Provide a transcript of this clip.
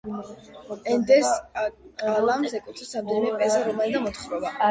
ენდეს კალამს ეკუთვნის რამდენიმე პიესა, რომანი და მოთხრობა.